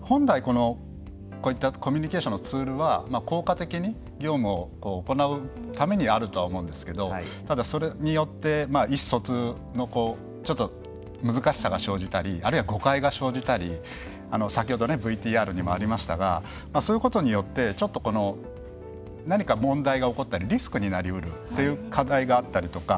本来、こういったコミュニケーションのツールは効果的に業務を行うためにあるとは思うんですけどただ、それによって意思疎通の難しさが生じたりあるいは誤解が生じたり先ほどＶＴＲにもありましたがそういうことによってちょっと何か問題が起こったりリスクになりうるっていう課題があったりとか。